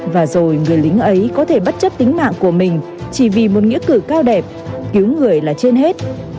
và rồi người lính ấy có thể bất chấp tính mạng của mình chỉ vì một nghĩa cử cao đẹp cứu người là trên hết